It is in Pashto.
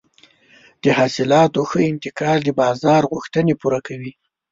د حاصلاتو ښه انتقال د بازار غوښتنې پوره کوي.